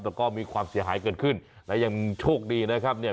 แต่ก็มีความเสียหายเกิดขึ้นและยังโชคดีนะครับเนี่ย